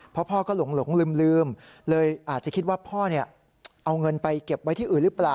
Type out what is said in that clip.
เพราะพ่อก็หลงลืมเลยอาจจะคิดว่าพ่อเอาเงินไปเก็บไว้ที่อื่นหรือเปล่า